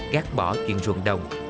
gác bỏ chuyện ruộng đồng